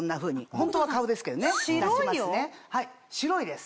ホントは顔ですけどね出しますね。